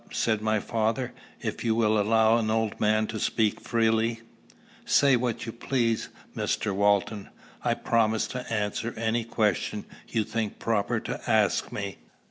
"But," said my father, "if you will allow an old man to speak freely" "Say what you please, Mr. Walton. I promise to answer any question you think proper to ask me."